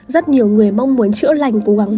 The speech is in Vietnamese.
rất nhiều người mong muốn chữa lành của quảng nương tựa